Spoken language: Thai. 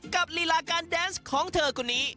กับลีลาการแดนส์ของเธอกุณี